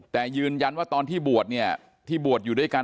แต่ยืนยันว่าตอนที่บวชเนี่ยที่บวชอยู่ด้วยกัน